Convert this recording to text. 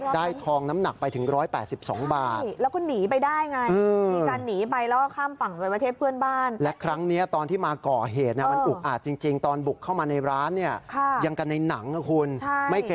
ได้ทองน้ำหนักไปถึง๑๘๒บาทใช่แล้วก็หนีไปได้ไงมีการหนีไป